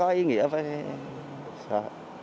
có ý nghĩa phải sợ